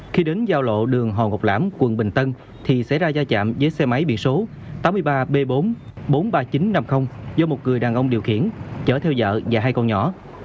khi đến giao lộ đường hò ngọc lãm quận bình tân thì xảy ra gia chạm với xe máy biển số tám mươi ba b bốn bốn mươi ba nghìn chín trăm năm mươi do một người đàn ông điều khiển chở theo vợ và hai con nhỏ